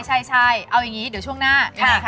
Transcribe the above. ใช่เลยแฮปปี้เบิร์สเดย์จ้า